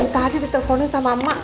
tadi diteleponin sama mak